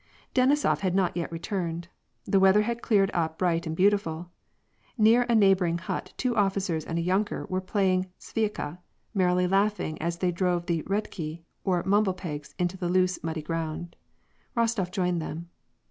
Denisof had not yet returned. The weather had cleared up bright and beautiful. Near a neighboring hut two officers and a yunker were playing svd'ika, merrily laughing as they drove the redkij or mumblepegs into the loose, muddy ground. Rostof joined them.